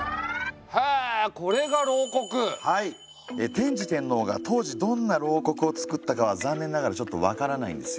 天智天皇が当時どんな漏刻をつくったかは残念ながらちょっと分からないんですよ。